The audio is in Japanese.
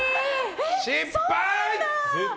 失敗！